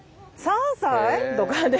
３歳！？とかで。